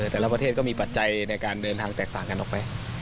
แต่ละประเทศก็มีปัจจัยในการเดินทางแตกต่างกันออกไป